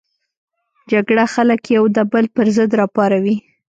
جګړه خلک یو د بل پر ضد راپاروي